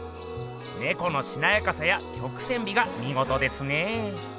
ネコのしなやかさや曲線美がみごとですね。